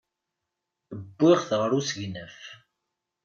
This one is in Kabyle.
Wwiɣ-t ɣer usegnaf.